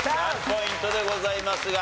３ポイントでございますが。